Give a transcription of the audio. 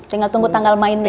tinggal tunggu tanggal mainnya